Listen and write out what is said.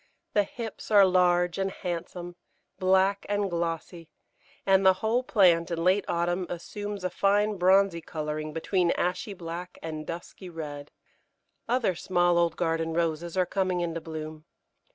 The hips are large and handsome, black and glossy, and the whole plant in late autumn assumes a fine bronzy colouring between ashy black and dusky red. Other small old garden Roses are coming into bloom.